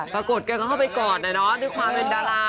ปรากฏกันเขาก็เข้าไปกอดด้วยความเป็นดารา